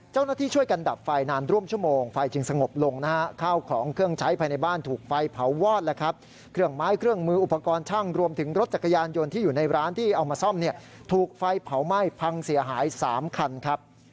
ให้พังเสียหาย๓คันครับ